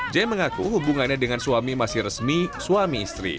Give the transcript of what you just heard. j mengaku hubungannya dengan suami masih resmi suami istri